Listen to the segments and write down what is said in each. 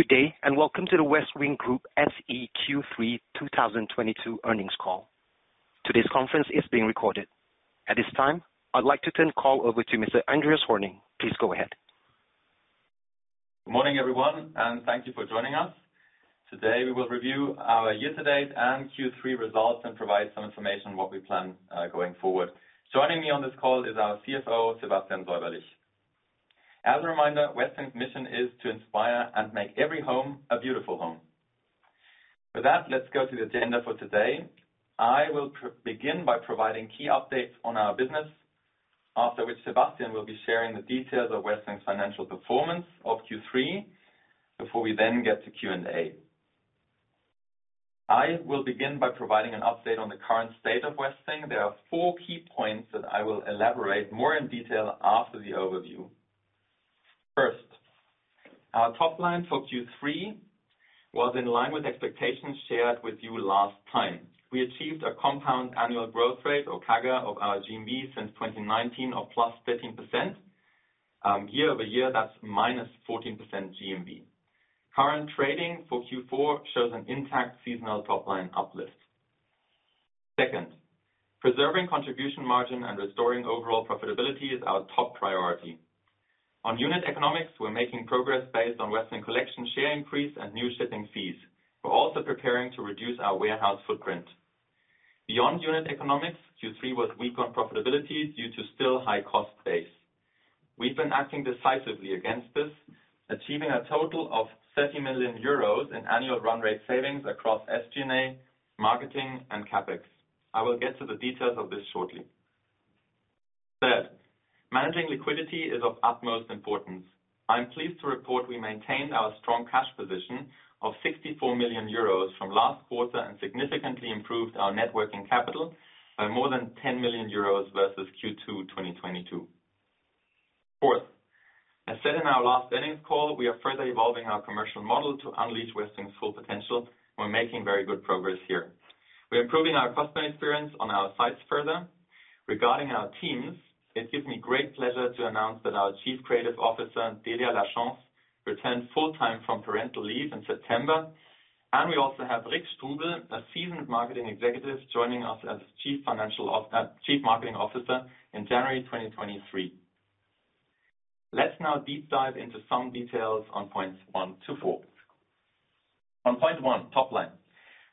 Good day, and welcome to the Westwing Group SE Q3 2022 Earnings Call. Today's conference is being recorded. At this time, I'd like to turn the call over to Mr. Andreas Hoerning. Please go ahead. Morning, everyone, and thank you for joining us. Today, we will review our year-to-date and Q3 results and provide some information on what we plan going forward. Joining me on this call is our CFO, Sebastian Säuberlich. As a reminder, Westwing's mission is to inspire and make every home a beautiful home. For that, let's go to the agenda for today. I will begin by providing key updates on our business. After which Sebastian will be sharing the details of Westwing's financial performance of Q3, before we then get to Q&A. I will begin by providing an update on the current state of Westwing. There are four key points that I will elaborate more in detail after the overview. First, our top line for Q3 was in line with expectations shared with you last time. We achieved a compound annual growth rate or CAGR of our GMV since 2019 of +13%. Year-over-year, that's -14% GMV. Current trading for Q4 shows an intact seasonal top line uplift. Second, preserving contribution margin and restoring overall profitability is our top priority. On unit economics, we're making progress based on Westwing Collection share increase and new shipping fees. We're also preparing to reduce our warehouse footprint. Beyond unit economics, Q3 was weak on profitability due to still high cost base. We've been acting decisively against this, achieving a total of 30 million euros in annual run rate savings across SG&A, marketing, and CapEx. I will get to the details of this shortly. Third, managing liquidity is of utmost importance. I'm pleased to report we maintained our strong cash position of 64 million euros from last quarter and significantly improved our net working capital by more than 10 million euros versus Q2 2022. Fourth, as said in our last earnings call, we are further evolving our commercial model to unleash Westwing's full potential. We're making very good progress here. We're improving our customer experience on our sites further. Regarding our teams, it gives me great pleasure to announce that our Chief Creative Officer, Delia Lachance, returned full-time from parental leave in September, and we also have Rik Strubel, a seasoned marketing executive, joining us as Chief Marketing Officer in January 2023. Let's now deep dive into some details on points one to four. On point one, top line.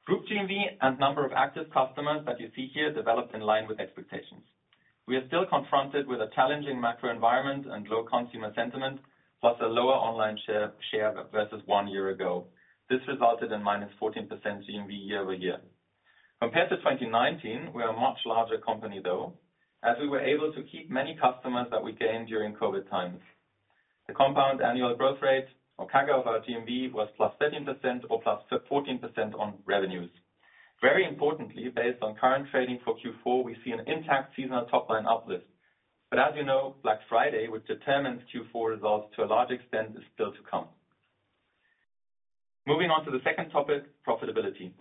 Group GMV and number of active customers that you see here developed in line with expectations. We are still confronted with a challenging macro environment and low consumer sentiment, plus a lower online share versus one year ago. This resulted in -14% GMV year-over-year. Compared to 2019, we are a much larger company, though, as we were able to keep many customers that we gained during COVID times. The compound annual growth rate or CAGR of our GMV was +13% or +14% on revenues. Very importantly, based on current trading for Q4, we see an intact seasonal top line uplift. As you know, Black Friday, which determines Q4 results to a large extent, is still to come. Moving on to the second topic, profitability.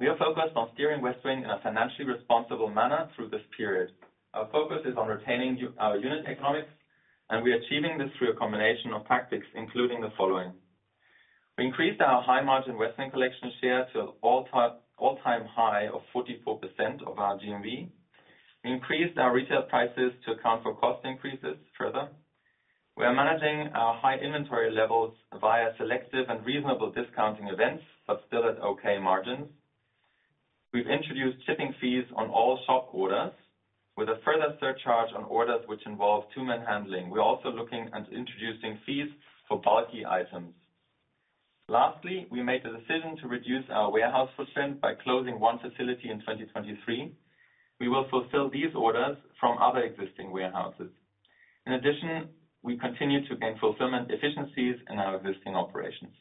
We are focused on steering Westwing in a financially responsible manner through this period. Our focus is on retaining our unit economics, and we're achieving this through a combination of tactics, including the following. We increased our high-margin Westwing Collection share to an all-time high of 44% of our GMV. We increased our retail prices to account for cost increases further. We are managing our high inventory levels via selective and reasonable discounting events, but still at okay margins. We've introduced shipping fees on all shop orders with a further surcharge on orders which involve two-man handling. We're also looking at introducing fees for bulky items. Lastly, we made the decision to reduce our warehouse footprint by closing one facility in 2023. We will fulfill these orders from other existing warehouses. In addition, we continue to gain fulfillment efficiencies in our existing operations.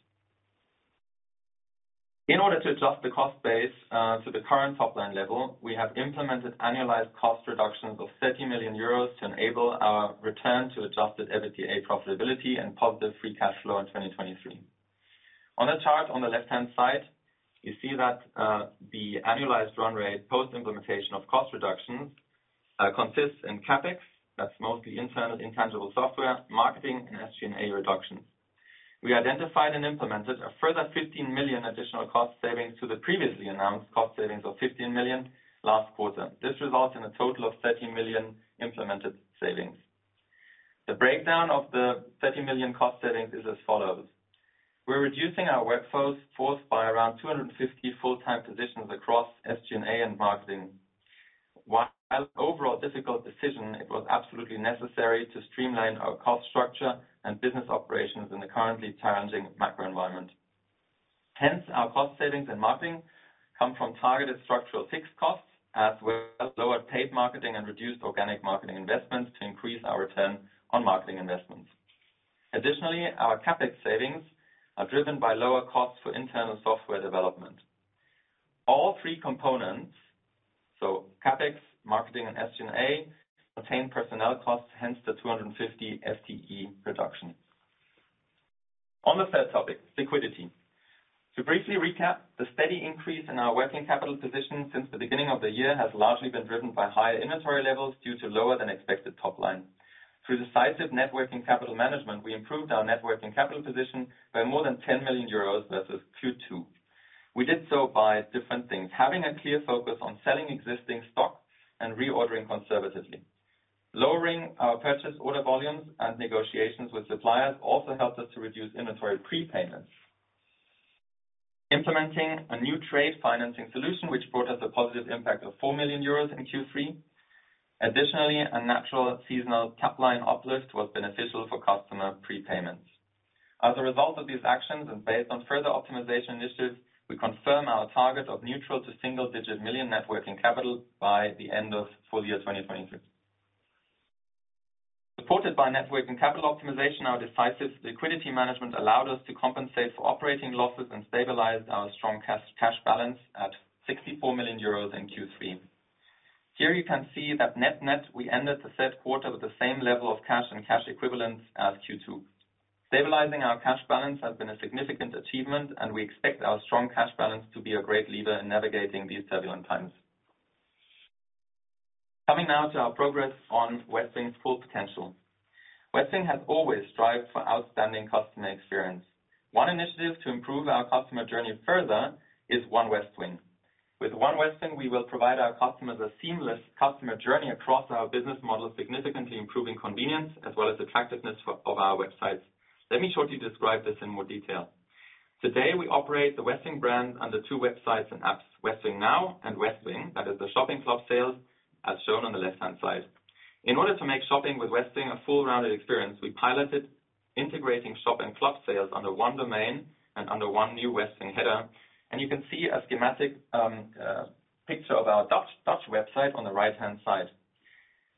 In order to adjust the cost base, to the current top line level, we have implemented annualized cost reductions of 30 million euros to enable our return to adjusted EBITDA profitability and positive free cash flow in 2023. On the chart on the left-hand side, you see that, the annualized run rate post-implementation of cost reductions, consists in CapEx. That's mostly internal intangible software, marketing, and SG&A reductions. We identified and implemented a further 15 million additional cost savings to the previously announced cost savings of 15 million last quarter. This results in a total of 30 million implemented savings. The breakdown of the 30 million cost savings is as follows. We're reducing our workforce by around 250 full-time positions across SG&A and marketing. While overall a difficult decision, it was absolutely necessary to streamline our cost structure and business operations in the currently challenging macro environment. Hence, our cost savings and marketing come from targeted structural fixed costs, as well as lower paid marketing and reduced organic marketing investments to increase our return on marketing investments. Additionally, our CapEx savings are driven by lower costs for internal software development. All three components, so CapEx, marketing, and SG&A, retain personnel costs, hence the 250 FTE reduction. On the third topic, liquidity. To briefly recap, the steady increase in our working capital position since the beginning of the year has largely been driven by higher inventory levels due to lower than expected top line. Through decisive net working capital management, we improved our net working capital position by more than 10 million euros versus Q2. We did so by different things. Having a clear focus on selling existing stock and reordering conservatively. Lowering our purchase order volumes and negotiations with suppliers also helped us to reduce inventory prepayments. Implementing a new trade financing solution which brought us a positive impact of 4 million euros in Q3. Additionally, a natural seasonal top line uplift was beneficial for customer prepayments. As a result of these actions, and based on further optimization initiatives, we confirm our target of neutral to single-digit million net working capital by the end of full year 2023. Supported by net working capital optimization, our decisive liquidity management allowed us to compensate for operating losses and stabilize our strong cash balance at 64 million euros in Q3. Here you can see that net-net, we ended the third quarter with the same level of cash and cash equivalents as Q2. Stabilizing our cash balance has been a significant achievement, and we expect our strong cash balance to be a great leader in navigating these turbulent times. Coming now to our progress on Westwing's full potential. Westwing has always strived for outstanding customer experience. One initiative to improve our customer journey further is One Westwing. With One Westwing, we will provide our customers a seamless customer journey across our business model, significantly improving convenience as well as attractiveness for our websites. Let me shortly describe this in more detail. Today, we operate the Westwing brand under two websites and apps, WestwingNow and Westwing. That is the shopping club sales, as shown on the left-hand side. In order to make shopping with Westwing a well-rounded experience, we piloted integrating shop and club sales under one domain and under one new Westwing header. You can see a schematic picture of our Dutch website on the right-hand side.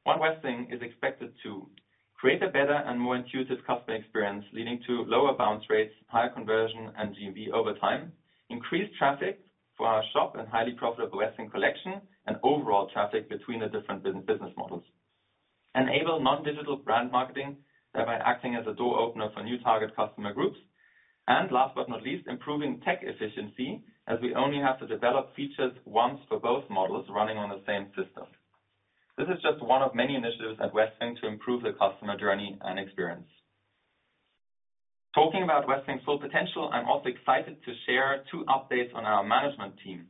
One Westwing is expected to create a better and more intuitive customer experience, leading to lower bounce rates, higher conversion, and GMV over time. Increased traffic for our shop and highly profitable Westwing Collection and overall traffic between the different business models. Enable non-digital brand marketing, thereby acting as a door opener for new target customer groups. Last but not least, improving tech efficiency as we only have to develop features once for both models running on the same system. This is just one of many initiatives at Westwing to improve the customer journey and experience. Talking about Westwing's full potential, I'm also excited to share two updates on our management team.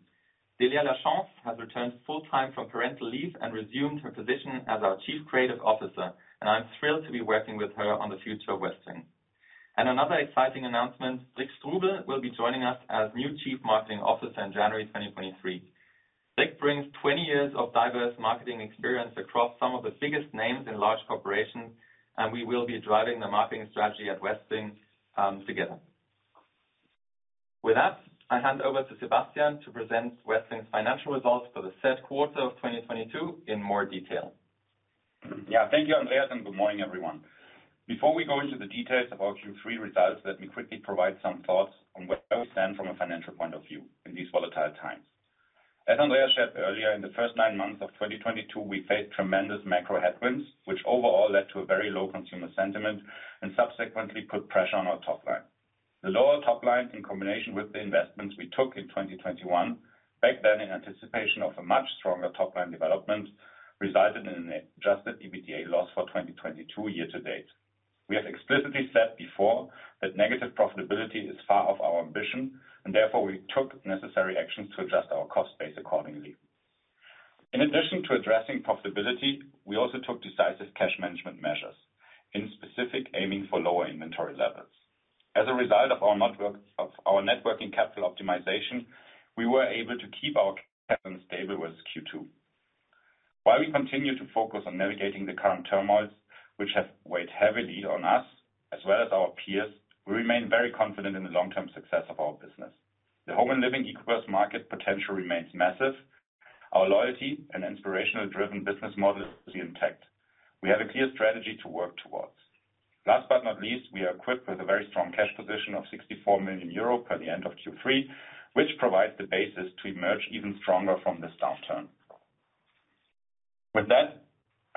Delia Lachance has returned full time from parental leave and resumed her position as our Chief Creative Officer, and I'm thrilled to be working with her on the future of Westwing. Another exciting announcement, Rik Strubel will be joining us as new Chief Marketing Officer in January 2023. Rik brings 20 years of diverse marketing experience across some of the biggest names in large corporations, and we will be driving the marketing strategy at Westwing, together. With that, I hand over to Sebastian to present Westwing's financial results for the third quarter of 2022 in more detail. Yeah. Thank you, Andreas, and good morning, everyone. Before we go into the details of our Q3 results, let me quickly provide some thoughts on where we stand from a financial point of view in these volatile times. As Andreas shared earlier, in the first nine months of 2022, we faced tremendous macro headwinds, which overall led to a very low consumer sentiment and subsequently put pressure on our top line. The lower top line, in combination with the investments we took in 2021, back then in anticipation of a much stronger top line development, resulted in an adjusted EBITDA loss for 2022 year to date. We have explicitly said before that negative profitability is far off our ambition, and therefore, we took necessary actions to adjust our cost base accordingly. In addition to addressing profitability, we also took decisive cash management measures, specifically aiming for lower inventory levels. As a result of our net working capital optimization, we were able to keep our cash stable in Q2. While we continue to focus on navigating the current turmoils, which have weighed heavily on us as well as our peers, we remain very confident in the long-term success of our business. The home and living e-commerce market potential remains massive. Our loyalty and inspiration-driven business model is intact. We have a clear strategy to work towards. Last but not least, we are equipped with a very strong cash position of 64 million euro as of the end of Q3, which provides the basis to emerge even stronger from this downturn. With that,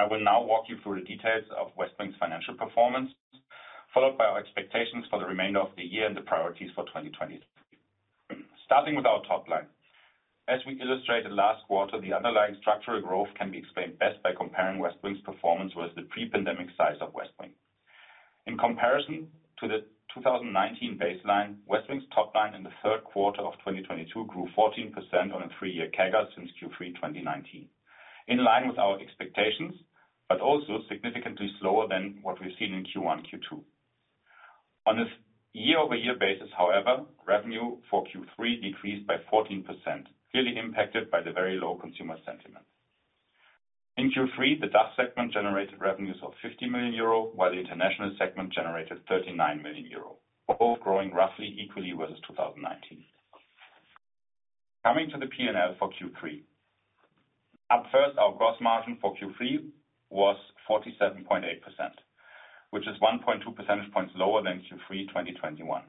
I will now walk you through the details of Westwing's financial performance, followed by our expectations for the remainder of the year and the priorities for 2023. Starting with our top line. As we illustrated last quarter, the underlying structural growth can be explained best by comparing Westwing's performance with the pre-pandemic size of Westwing. In comparison to the 2019 baseline, Westwing's top line in the third quarter of 2022 grew 14% on a three-year CAGR since Q3 2019. In line with our expectations but also significantly slower than what we've seen in Q1, Q2. On a year-over-year basis, however, revenue for Q3 decreased by 14%, clearly impacted by the very low consumer sentiment. In Q3, the DACH segment generated revenues of 50 million euro, while the international segment generated 39 million euro, both growing roughly equally versus 2019. Coming to the P&L for Q3. Up first, our gross margin for Q3 was 47.8%, which is 1.2 percentage points lower than Q3 2021.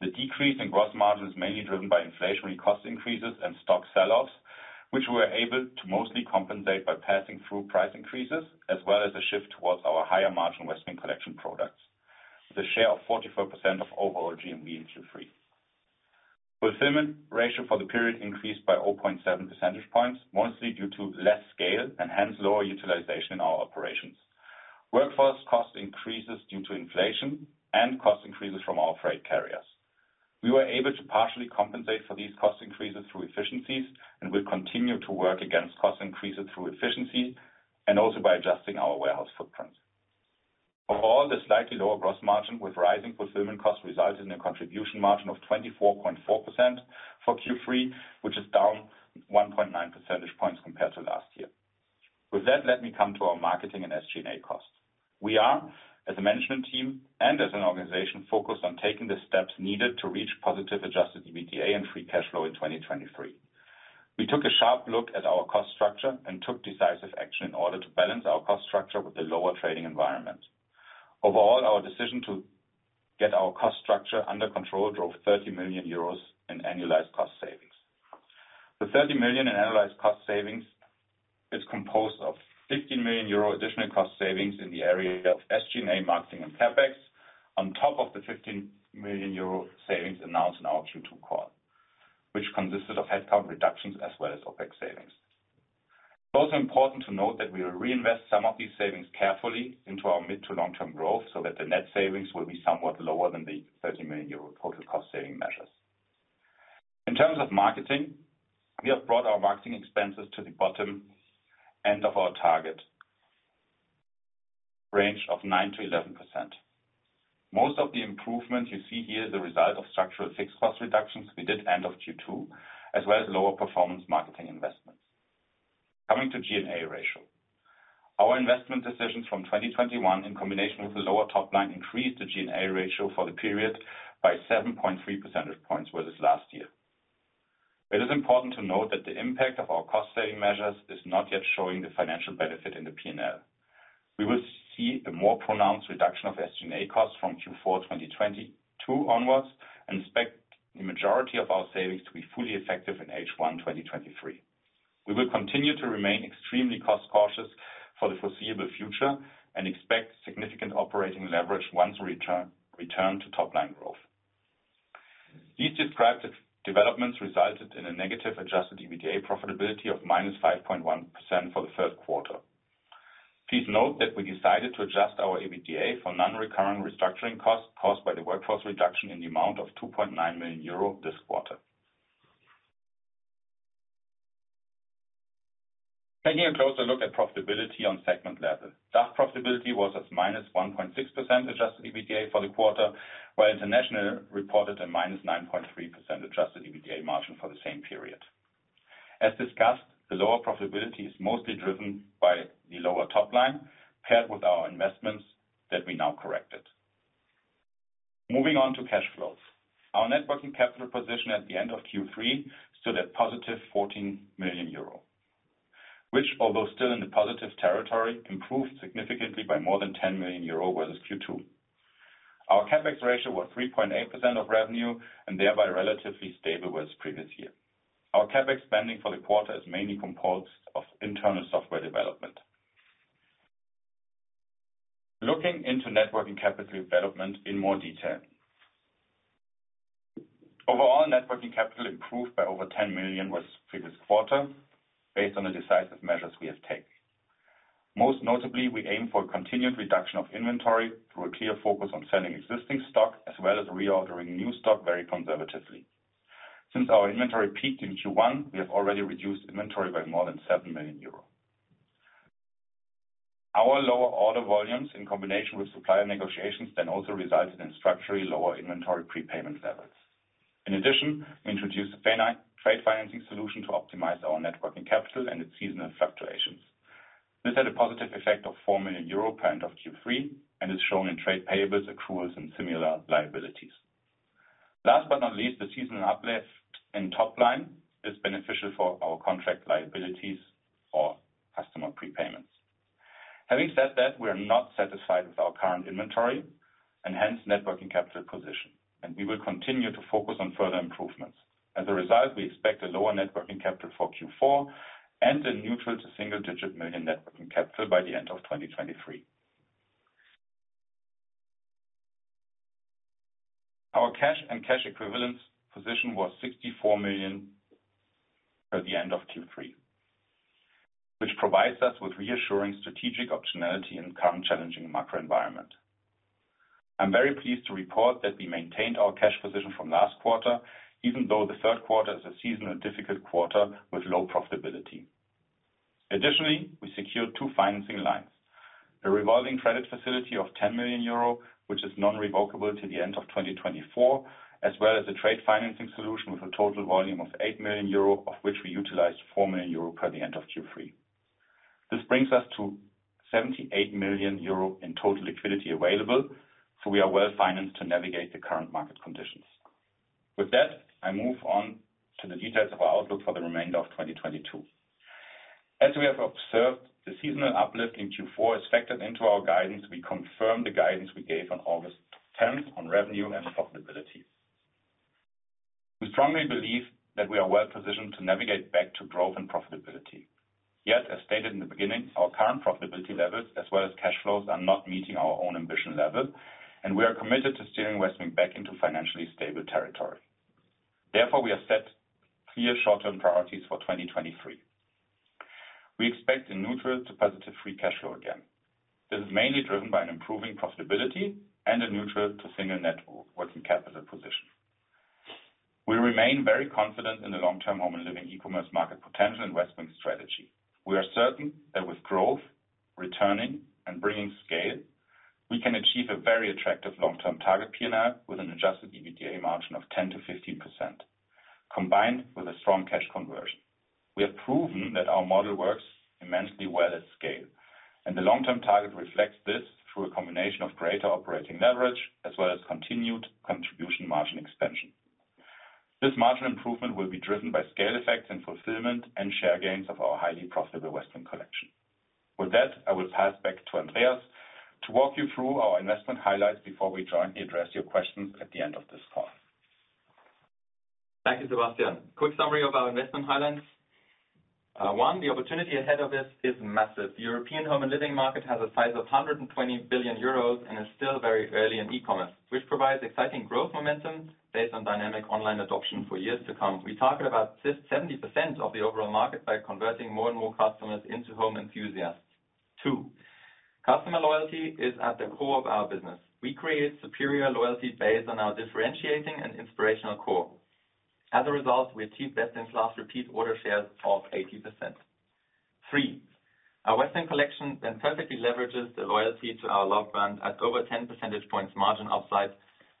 The decrease in gross margin is mainly driven by inflationary cost increases and stock sell-offs, which we are able to mostly compensate by passing through price increases, as well as a shift towards our higher margin Westwing Collection products. The share of 44% of overall GMV in Q3. Fulfillment ratio for the period increased by 0.7 percentage points, mostly due to less scale and hence lower utilization in our operations. Workforce cost increases due to inflation and cost increases from our freight carriers. We were able to partially compensate for these cost increases through efficiencies, and we continue to work against cost increases through efficiencies and also by adjusting our warehouse footprints. Overall, the slightly lower gross margin with rising fulfillment costs resulted in a contribution margin of 24.4% for Q3, which is down 1.9 percentage points compared to last year. With that, let me come to our marketing and SG&A costs. We are, as a management team and as an organization, focused on taking the steps needed to reach positive adjusted EBITDA and free cash flow in 2023. We took a sharp look at our cost structure and took decisive action in order to balance our cost structure with the lower trading environment. Overall, our decision to get our cost structure under control drove 30 million euros in annualized cost savings. The 30 million in annualized cost savings is composed of 15 million euro additional cost savings in the area of SG&A marketing and CapEx on top of the 15 million euro savings announced in our Q2 call, which consisted of headcount reductions as well as OpEx savings. It's also important to note that we will reinvest some of these savings carefully into our mid to long-term growth so that the net savings will be somewhat lower than the 30 million euro total cost saving measures. In terms of marketing, we have brought our marketing expenses to the bottom end of our target range of 9%-11%. Most of the improvements you see here is the result of structural fixed cost reductions we did end of Q2, as well as lower performance marketing investments. Coming to G&A ratio. Our investment decisions from 2021, in combination with the lower top line, increased the G&A ratio for the period by 7.3 percentage points versus last year. It is important to note that the impact of our cost-saving measures is not yet showing the financial benefit in the P&L. We will see a more pronounced reduction of SG&A costs from Q4 2022 onwards and expect the majority of our savings to be fully effective in H1 2023. We will continue to remain extremely cost cautious for the foreseeable future and expect significant operating leverage once return to top line growth. These described developments resulted in a negative adjusted EBITDA profitability of -5.1% for the first quarter. Please note that we decided to adjust our EBITDA for non-recurrent restructuring costs caused by the workforce reduction in the amount of 2.9 million euro this quarter. Taking a closer look at profitability on segment level. DACH profitability was at -1.6% adjusted EBITDA for the quarter, while international reported a -9.3% adjusted EBITDA margin for the same period. As discussed, the lower profitability is mostly driven by the lower top line, paired with our investments that we now corrected. Moving on to cash flows. Our net working capital position at the end of Q3 stood at 14 million euro, which although still in the positive territory, improved significantly by more than 10 million euro versus Q2. Our CapEx ratio was 3.8% of revenue and thereby relatively stable with previous year. Our CapEx spending for the quarter is mainly composed of internal software development. Looking into net working capital development in more detail. Overall, net working capital improved by over 10 million versus previous quarter based on the decisive measures we have taken. Most notably, we aim for continued reduction of inventory through a clear focus on selling existing stock as well as reordering new stock very conservatively. Since our inventory peaked in Q1, we have already reduced inventory by more than 7 million euros. Our lower order volumes in combination with supplier negotiations then also resulted in structurally lower inventory prepayment levels. In addition, we introduced a trade financing solution to optimize our net working capital and its seasonal fluctuations. This had a positive effect of 4 million euro at end of Q3 and is shown in trade payables, accruals, and similar liabilities. Last but not least, the seasonal uplift in top line is beneficial for our contract liabilities for customer prepayments. Having said that, we are not satisfied with our current inventory and hence net working capital position, and we will continue to focus on further improvements. As a result, we expect a lower net working capital for Q4 and a neutral to single-digit million EUR net working capital by the end of 2023. Our cash and cash equivalents position was 64 million at the end of Q3, which provides us with reassuring strategic optionality in current challenging macro environment. I'm very pleased to report that we maintained our cash position from last quarter, even though the third quarter is a seasonally difficult quarter with low profitability. We secured two financing lines, a revolving credit facility of 10 million euro, which is irrevocable to the end of 2024, as well as a trade financing solution with a total volume of 8 million euro, of which we utilized 4 million euro at the end of Q3. This brings us to 78 million euro in total liquidity available, so we are well-financed to navigate the current market conditions. With that, I move on to the details of our outlook for the remainder of 2022. As we have observed, the seasonal uplift in Q4 is factored into our guidance. We confirm the guidance we gave on August 10 on revenue and profitability. We strongly believe that we are well positioned to navigate back to growth and profitability. Yet, as stated in the beginning, our current profitability levels as well as cash flows are not meeting our own ambition level, and we are committed to steering Westwing back into financially stable territory. We have set clear short-term priorities for 2023. We expect a neutral to positive free cash flow again. This is mainly driven by an improving profitability and a neutral to single-digit net working capital position. We remain very confident in the long-term home and living e-commerce market potential in Westwing strategy. We are certain that with growth, returning and bringing scale, we can achieve a very attractive long-term target P&L with an adjusted EBITDA margin of 10%-15%, combined with a strong cash conversion. We have proven that our model works immensely well at scale, and the long-term target reflects this through a combination of greater operating leverage as well as continued contribution margin expansion. This margin improvement will be driven by scale effects and fulfillment and share gains of our highly profitable Westwing Collection. With that, I will pass back to Andreas to walk you through our investment highlights before we jointly address your questions at the end of this call. Thank you, Sebastian. Quick summary of our investment highlights. One, the opportunity ahead of us is massive. The European home and living market has a size of 120 billion euros and is still very early in e-commerce, which provides exciting growth momentum based on dynamic online adoption for years to come. We target about 70% of the overall market by converting more and more customers into home enthusiasts. Two, customer loyalty is at the core of our business. We create superior loyalty based on our differentiating and inspirational core. As a result, we achieve best-in-class repeat order shares of 80%. Three, our Westwing Collection then perfectly leverages the loyalty to our love brand at over 10 percentage points margin upside.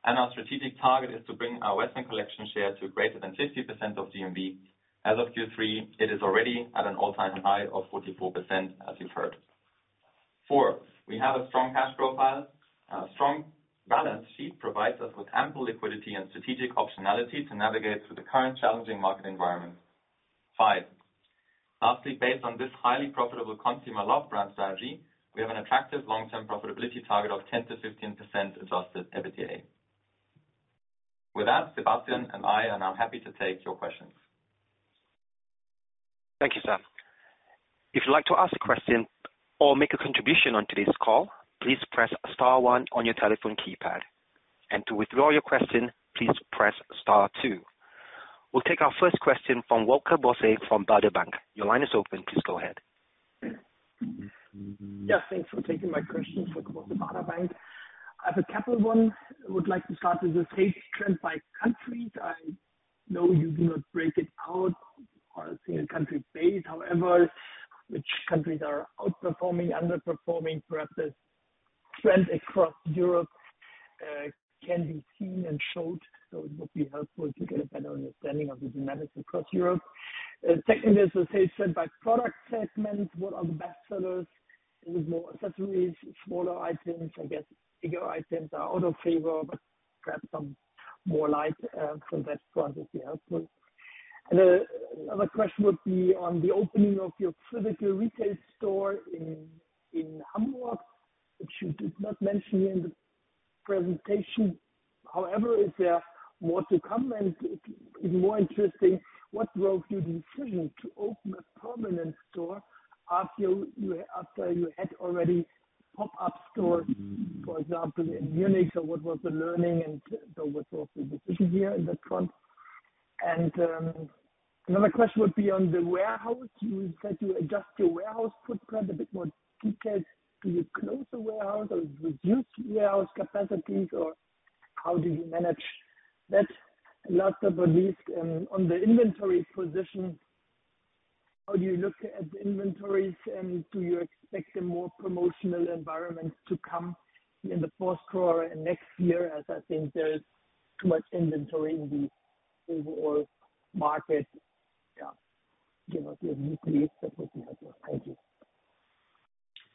Our strategic target is to bring our Westwing Collection share to greater than 50% of GMV. As of Q3, it is already at an all-time high of 44%, as you've heard. four, we have a strong cash profile. A strong balance sheet provides us with ample liquidity and strategic optionality to navigate through the current challenging market environment. Five, lastly, based on this highly profitable consumer love brand strategy, we have an attractive long-term profitability target of 10%-15% adjusted EBITDA. With that, Sebastian and I are now happy to take your questions. Thank you, sir. If you'd like to ask a question or make a contribution on today's call, please press star one on your telephone keypad. To withdraw your question, please press star two. We'll take our first question from Volker Bosse from Baader Bank. Your line is open. Please go ahead. Yeah, thanks for taking my question. Volker Bosse from Baader Bank. I have a couple of one. I would like to start with the sales trend by countries. I know you do not break it out or single country basis. However, which countries are outperforming, underperforming. Perhaps the trend across Europe can be seen and shown. It would be helpful to get a better understanding of the dynamics across Europe. Secondly, as I said, by product segment, what are the best sellers? Is it more accessories, smaller items? I guess bigger items are out of favor, but perhaps some more light from that front would be helpful. Another question would be on the opening of your physical retail store in Hamburg, which you did not mention in the presentation. However, is there more to come? If more interesting, what drove your decision to open a permanent store after you had already pop-up stores, for example, in Munich? What was the learning and what was the decision here in that front? Another question would be on the warehouse. You said you adjust your warehouse footprint. A bit more details. Do you close the warehouse or reduce warehouse capacities or how do you manage that? Last but not least, on the inventory position, how do you look at the inventories and do you expect a more promotional environment to come in the fourth quarter and next year as I think there's too much inventory in the overall market? Yeah. Give us your view, please. That would be helpful. Thank you.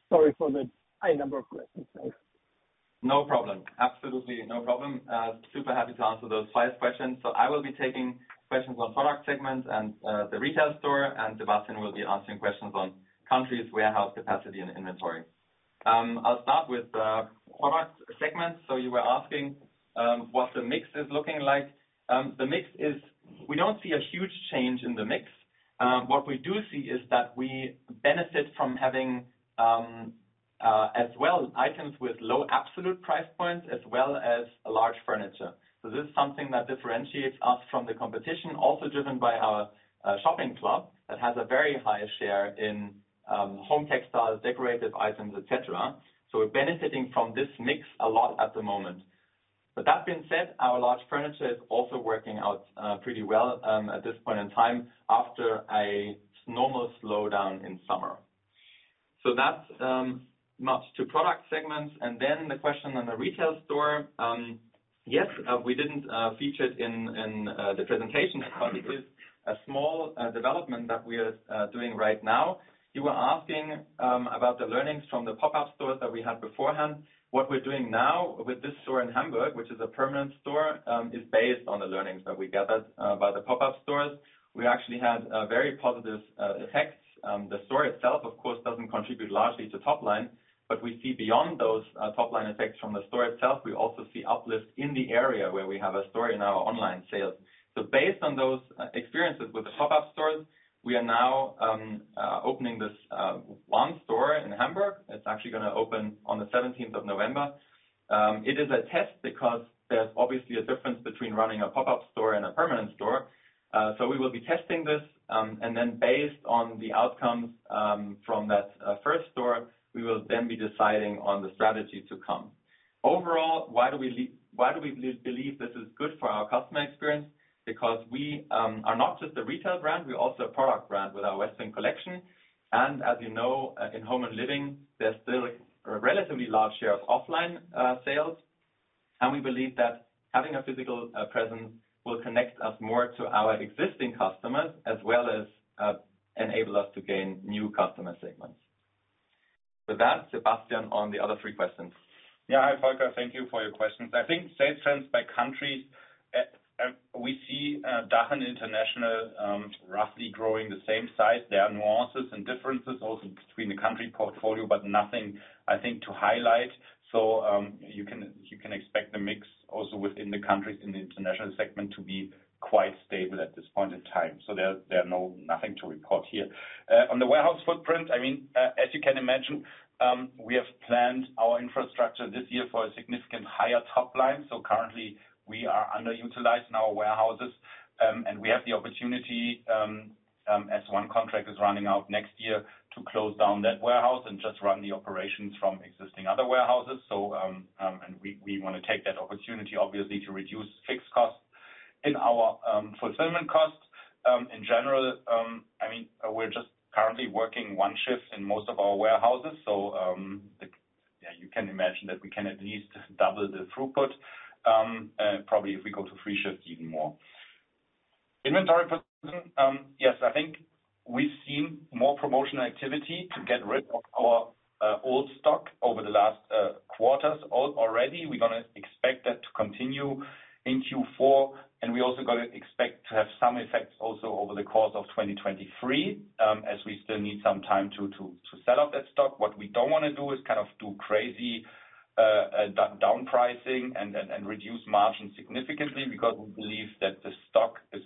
Sorry for the high number of questions. No problem. Absolutely no problem. Super happy to answer those five questions. I will be taking questions on product segments and the retail store, and Sebastian will be answering questions on countries, warehouse capacity and inventory. I'll start with product segments. You were asking what the mix is looking like. We don't see a huge change in the mix. What we do see is that we benefit from having as well items with low absolute price points as well as a large furniture. This is something that differentiates us from the competition, also driven by our shopping club that has a very high share in home textiles, decorative items, et cetera. We're benefiting from this mix a lot at the moment. That being said, our large furniture is also working out pretty well at this point in time after a normal slowdown in summer. That's much to product segments. Then the question on the retail store, yes. We didn't feature it in the presentation, but it is a small development that we are doing right now. You were asking about the learnings from the pop-up stores that we had beforehand. What we're doing now with this store in Hamburg, which is a permanent store, is based on the learnings that we gathered by the pop-up stores. We actually had very positive effects. The store itself, of course, doesn't contribute largely to top line, but we see beyond those top-line effects from the store itself. We also see uplifts in the area where we have a store in our online sales. Based on those experiences with the pop-up stores, we are now opening this one store in Hamburg. It's actually gonna open on the seventeenth of November. It is a test because there's obviously a difference between running a pop-up store and a permanent store. We will be testing this, and then based on the outcomes from that first store, we will be deciding on the strategy to come. Overall, why do we believe this is good for our customer experience? Because we are not just a retail brand, we're also a product brand with our Westwing Collection. As you know, in home and living, there's still a relatively large share of offline sales. We believe that having a physical presence will connect us more to our existing customers as well as enable us to gain new customer segments. With that, Sebastian Säuberlich, on the other three questions. Yeah. Hi, Volker. Thank you for your questions. I think same sense by country. We see DACH and international roughly growing the same size. There are nuances and differences also between the country portfolio, but nothing, I think, to highlight. You can expect the mix also within the countries in the international segment to be quite stable at this point in time. Nothing to report here. On the warehouse footprint, I mean, as you can imagine, we have planned our infrastructure this year for a significantly higher top line. Currently, we are underutilized in our warehouses, and we have the opportunity, as one contract is running out next year, to close down that warehouse and just run the operations from existing other warehouses. We wanna take that opportunity obviously to reduce fixed costs in our fulfillment costs. In general, I mean, we're just currently working one shift in most of our warehouses. Yeah, you can imagine that we can at least double the throughput, probably if we go to three shifts even more. Inventory position, yes, I think we've seen more promotional activity to get rid of our old stock over the last quarters already. We're gonna expect that to continue in Q4, and we also gonna expect to have some effects also over the course of 2023, as we still need some time to sell off that stock. What we don't wanna do is kind of do crazy down pricing and reduce margin significantly because we believe that the stock is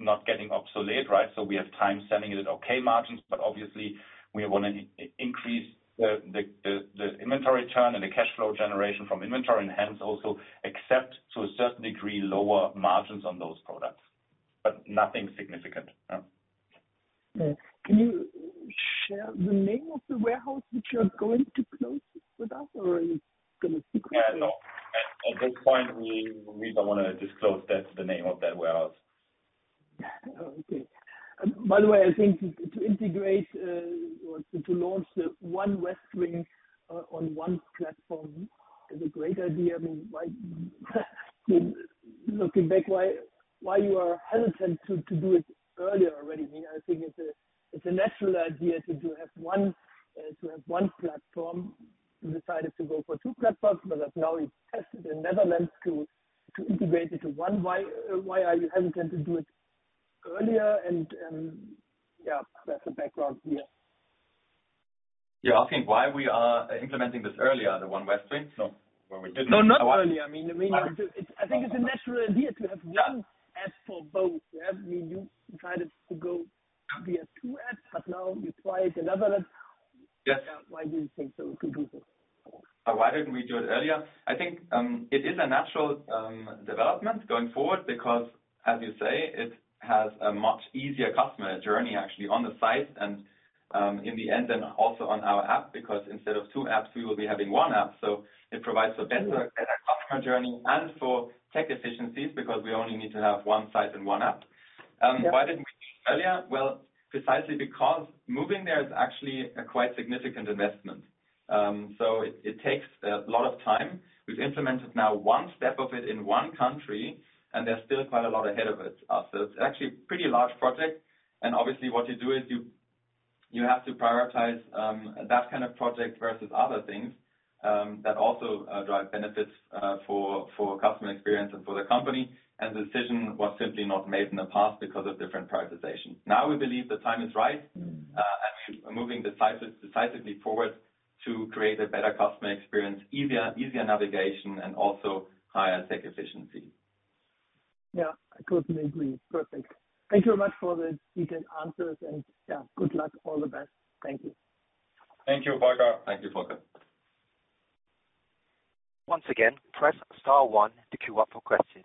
not getting obsolete, right? We have time selling it at okay margins, but obviously we wanna increase the inventory turn and the cash flow generation from inventory and hence also accept to a certain degree lower margins on those products. Nothing significant. No. Yeah. Can you share the name of the warehouse which you're going to close with us or are you gonna secretly? Yeah. No. At this point, we don't wanna disclose that, the name of that warehouse. Okay. By the way, I think to integrate or to launch the One Westwing on one platform is a great idea. I mean, looking back, why are you hesitant to do it earlier already? I mean, I think it's a natural idea to have one platform. You decided to go for two platforms, but now that you've tested in the Netherlands to integrate into one. Why are you hesitant to do it earlier and yeah, that's the background here. You're asking why we are implementing this earlier, the One Westwing? No, not earlier. I mean, it's, I think it's a natural idea to have one app for both. Yeah. I mean, you decided to go via two apps, but now you try it in Netherlands. Yes. Why do you think so? It could be good? Why didn't we do it earlier? I think it is a natural development going forward because as you say, it has a much easier customer journey actually on the site and in the end, and also on our app, because instead of two apps, we will be having one app. It provides a better customer journey and for tech efficiencies because we only need to have one site and one app. Why didn't we do it earlier? Well, precisely because moving there is actually a quite significant investment. It takes a lot of time. We've implemented now one step of it in one country, and there's still quite a lot ahead of it. It's actually pretty large project and obviously what you do is you have to prioritize that kind of project versus other things that also drive benefits for customer experience and for the company. The decision was simply not made in the past because of different prioritizations. Now we believe the time is right. Mm. We're moving decisively forward to create a better customer experience, easier navigation, and also higher tech efficiency. Yeah. I totally agree. Perfect. Thank you very much for the detailed answers and, yeah, good luck. All the best. Thank you. Thank you, Volker. Thank you, Volker. Once again, press star one to queue up for questions.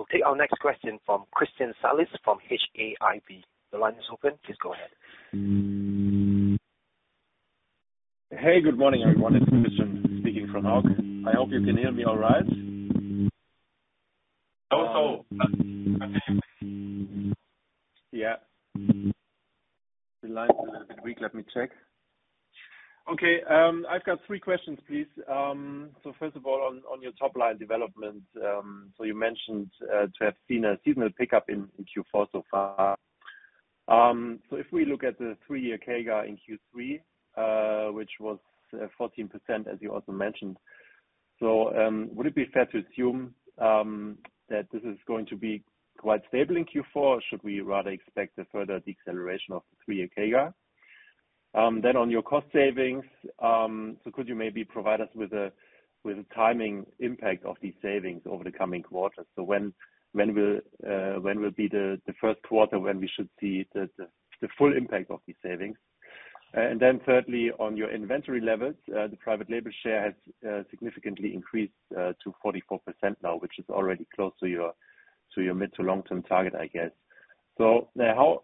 We'll take our next question from Christian Salis from HAIV. The line is open. Please go ahead. Hey, good morning, everyone. It's Christian speaking from HAIV. I hope you can hear me all right. Yeah. The line's a little bit weak. Let me check. Okay, I've got three questions, please. First of all, on your top line development, you mentioned to have seen a seasonal pickup in Q4 so far. If we look at the three-year CAGR in Q3, which was 14%, as you also mentioned, would it be fair to assume that this is going to be quite stable in Q4? Should we rather expect a further deceleration of the three-year CAGR? On your cost savings, could you maybe provide us with the timing impact of these savings over the coming quarters? When will be the first quarter when we should see the full impact of these savings? Thirdly, on your inventory levels, the private label share has significantly increased to 44% now, which is already close to your mid to long-term target, I guess. Now, how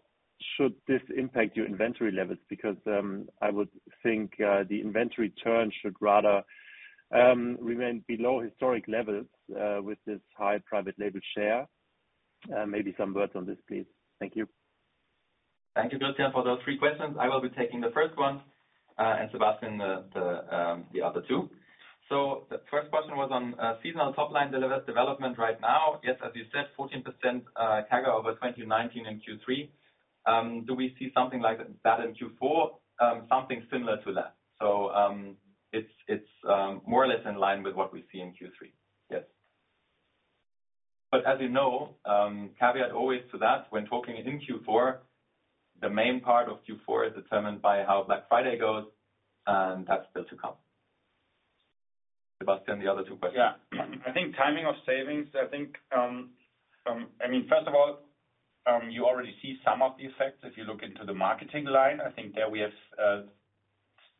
should this impact your inventory levels? Because I would think the inventory turn should rather remain below historic levels with this high private label share. Maybe some words on this, please. Thank you. Thank you, Christian, for those three questions. I will be taking the first one, and Sebastian the other two. The first question was on seasonal top line delivery development right now. Yes, as you said, 14% CAGR over 2019 in Q3. Do we see something like that in Q4? Something similar to that. It's more or less in line with what we see in Q3. Yes. But as you know, caveat always to that, when talking in Q4, the main part of Q4 is determined by how Black Friday goes, and that's still to come. Sebastian, the other two questions. Yeah. I think timing of savings, I think, I mean, first of all, you already see some of the effects if you look into the marketing line. I think there we have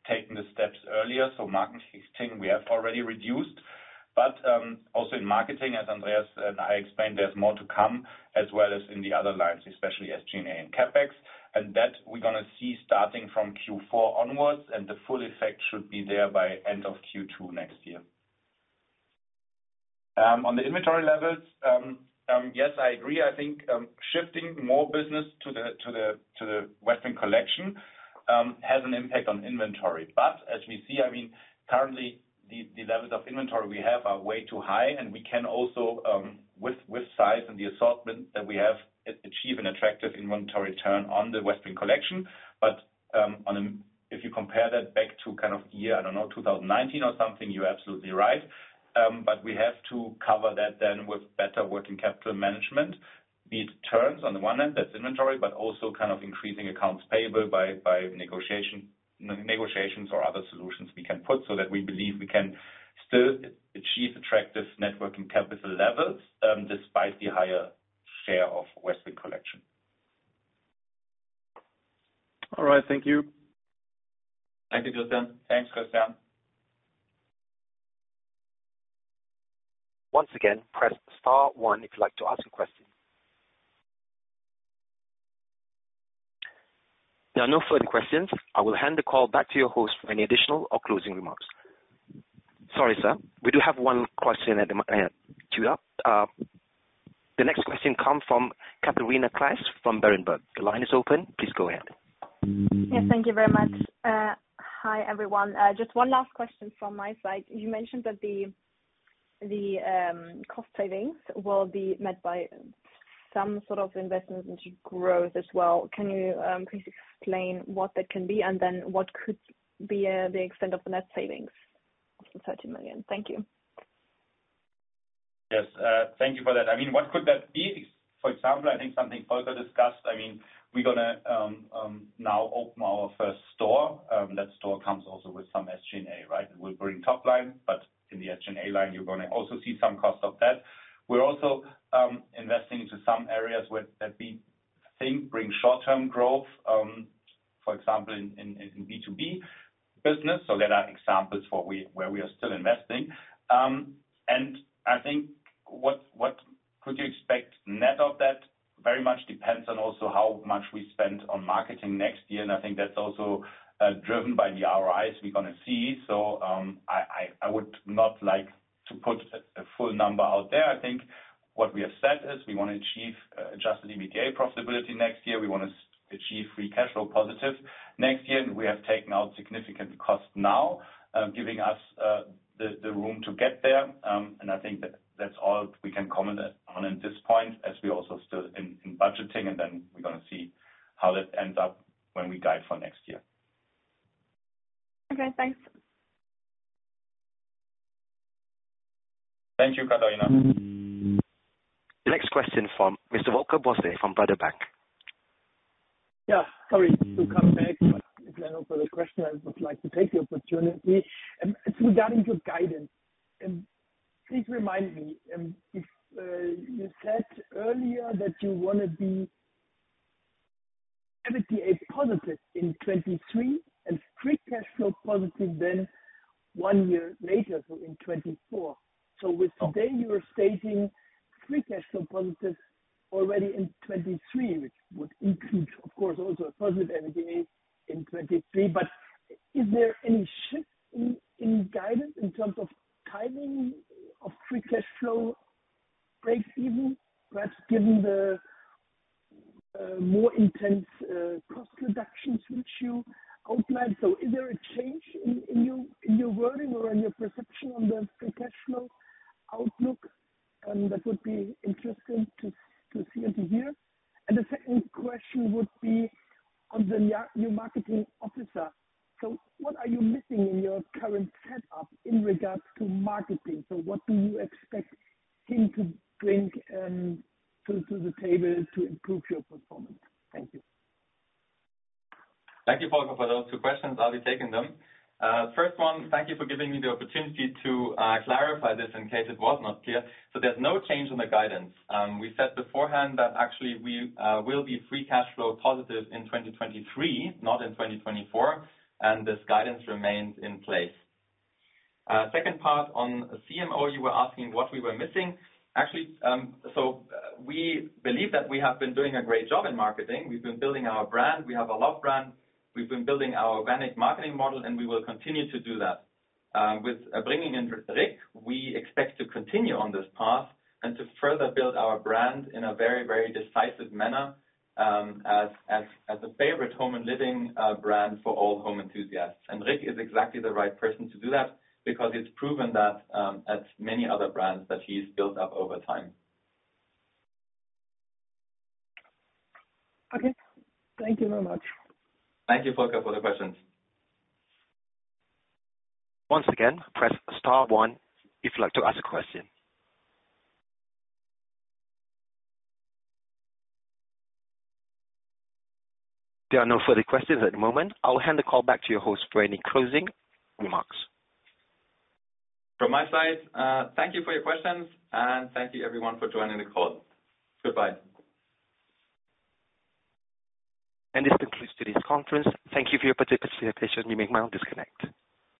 taken the steps earlier. Marketing we have already reduced. Also in marketing, as Andreas and I explained, there's more to come, as well as in the other lines, especially SG&A and CapEx. That we're gonna see starting from Q4 onwards, and the full effect should be there by end of Q2 next year. On the inventory levels, yes, I agree. I think shifting more business to the Westwing Collection has an impact on inventory. As we see, I mean, currently the levels of inventory we have are way too high, and we can also with size and the assortment that we have achieve an attractive inventory turn on the Westwing Collection. If you compare that back to kind of year, I don't know, 2019 or something, you're absolutely right. We have to cover that then with better working capital management. These turns on the one hand, that's inventory, but also kind of increasing accounts payable by negotiations or other solutions we can put so that we believe we can still achieve attractive net working capital levels despite the higher share of Westwing Collection. All right. Thank you. Thank you, Christian. Thanks, Christian. Once again, press star one if you'd like to ask a question. There are no further questions. I will hand the call back to your host for any additional or closing remarks. Sorry, sir. We do have one question queued up. The next question comes from Catharina Claes from Berenberg. The line is open. Please go ahead. Yes, thank you very much. Hi, everyone. Just one last question from my side. You mentioned that the cost savings will be met by some sort of investments into growth as well. Can you please explain what that can be and then what could be the extent of the net savings of the $30 million? Thank you. Yes. Thank you for that. I mean, what could that be? For example, I think something Volker discussed. I mean, we're gonna now open our first store. That store comes also with some SG&A, right? It will bring top line, but in the SG&A line, you're gonna also see some cost of that. We're also investing into some areas where that we think bring short-term growth, for example, in B2B business. There are examples for where we are still investing. I think what could you expect net of that very much depends on also how much we spend on marketing next year. I think that's also driven by the ROIs we're gonna see. I would not like to put a full number out there. I think what we have said is we wanna achieve adjusted EBITDA profitability next year. We wanna achieve free cash flow positive next year. We have taken out significant cost now, giving us the room to get there. I think that's all we can comment on at this point as we're also still in budgeting, and then we're gonna see how that ends up when we guide for next year. Okay, thanks. Thank you, Catharina. The next question from Mr. Volker Bosse from Baader Bank. Sorry to come back, but if there are no further question, I would like to take the opportunity. Regarding your guidance, please remind me if you said earlier that you wanna be EBITDA positive in 2023 and free cash flow positive then one year later, so in 2024. With- Oh. Today you are stating free cash flow positive already in 2023, which would include, of course, also a positive EBITDA in 2023. Is there any shift in guidance in terms of timing of free cash flow breakeven, perhaps given the more intense cost reductions which you outlined? Is there a change in your wording or in your perception on the free cash flow outlook that would be interesting to see and to hear. The second question would be on the new marketing officer. What are you missing in your current set up in regards to marketing? What do you expect him to bring to the table to improve your performance? Thank you. Thank you, Volker, for those two questions. I'll be taking them. First one, thank you for giving me the opportunity to clarify this in case it was not clear. There's no change in the guidance. We said beforehand that actually we will be free cash flow positive in 2023, not in 2024, and this guidance remains in place. Second part on CMO, you were asking what we were missing. Actually, we believe that we have been doing a great job in marketing. We've been building our brand. We have a love brand. We've been building our VANIC marketing model, and we will continue to do that. With bringing in Rik Strubel, we expect to continue on this path and to further build our brand in a very, very decisive manner, as a favorite home and living brand for all home enthusiasts. Rik Strubel is exactly the right person to do that because he's proven that at many other brands that he's built up over time. Okay. Thank you very much. Thank you, Volker, for the questions. Once again, press star one if you'd like to ask a question. There are no further questions at the moment. I'll hand the call back to your host for any closing remarks. From my side, thank you for your questions, and thank you everyone for joining the call. Goodbye. This concludes today's conference. Thank you for your participation. You may now disconnect.